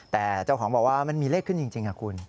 แต่เจ้าของบอกว่ามันมีเลขขึ้นจริงคุณ